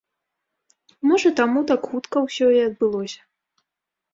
Можа, таму так хутка ўсё і адбылося.